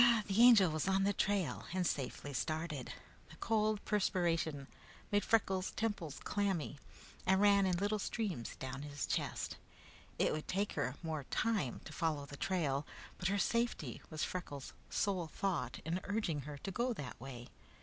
The Angel was on the trail and safely started. The cold perspiration made Freckles' temples clammy and ran in little streams down his chest. It would take her more time to follow the trail, but her safety was Freckles' sole thought in urging her to go that way.